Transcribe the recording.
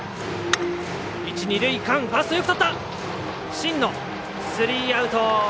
新野、スリーアウト。